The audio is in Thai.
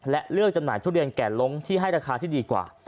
และเลือกจำหน่ายทุเรียนแก่ล้งที่ให้ราคาที่ดีกว่า